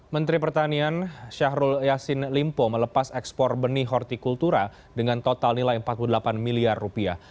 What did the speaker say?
menteri pertanian syahrul yassin limpo melepas ekspor benih hortikultura dengan total nilai empat puluh delapan miliar rupiah